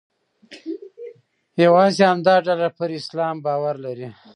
یوازې همدا ډله پر اسلام باور لري.